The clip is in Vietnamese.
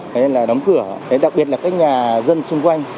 thế nên là đóng cửa đặc biệt là các nhà dân xung quanh